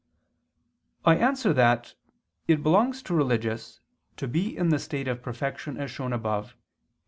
I answer that, It belongs to religious to be in the state of perfection, as shown above (Q.